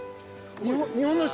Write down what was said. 日本の人？